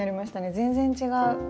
全然違う。